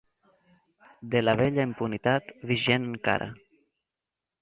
De la vella impunitat, vigent encara.